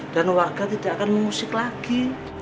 dan warga tidak akan memusik lagi